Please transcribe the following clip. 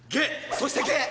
そしてゲッ！